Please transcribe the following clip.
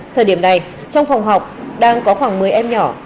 thời điểm này trong phòng học đang có khoảng một mươi em nhỏ